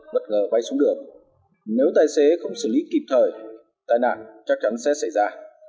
bất ngờ quay xuống đường nếu tài xế không xử lý kịp thời tai nạn chắc chắn sẽ xảy ra